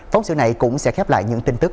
phóng sự này cũng sẽ khép lại những tin tức